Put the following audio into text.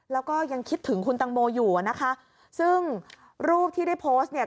แล้วก็ยังคิดถึงคุณตังโมอยู่อ่ะนะคะซึ่งรูปที่ได้โพสต์เนี่ย